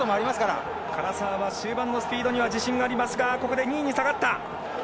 唐澤は終盤のスピードには自信がありますがここで２位に下がりました。